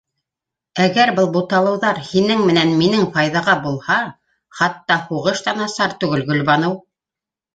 Әгәр был буталыуҙар һинең менән минең файҙаға булһа, хатта һуғыш та насар түгел, Гөлбаныу.